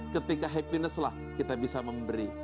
ketika happiness lah kita bisa memberi